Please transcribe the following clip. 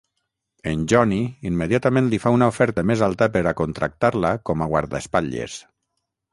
En Johnny immediatament li fa una oferta més alta per a contractar-la com a guardaespatlles.